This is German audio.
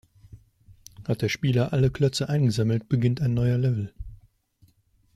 Hat der Spieler alle Klötze eingesammelt, beginnt ein neuer Level.